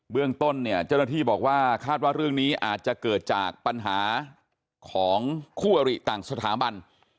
เรื่องต้นเนี่ยเจ้าหน้าที่บอกว่าคาดว่าเรื่องนี้อาจจะเกิดจากปัญหาของคู่อริต่างสถาบัน